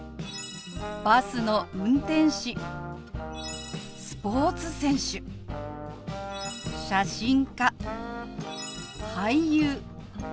「バスの運転士」「スポーツ選手」「写真家」「俳優」